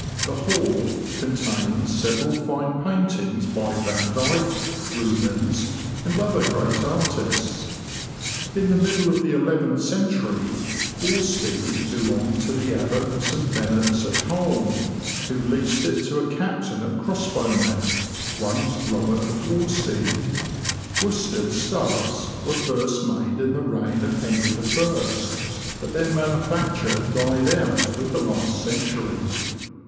The Hall contains several fine paintings by Vandyke, Rubens, and other great artists. In the middle of the eleventh century, Worstede belonged to the Abbot of St. Benet's at Holme, who leased it to a captain of crossbowmen, one Robert of Worstede. Worsted stuffs were first made in the reign" of Henry I., but their manufacture died out with the last century.